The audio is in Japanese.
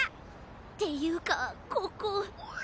っていうかここ。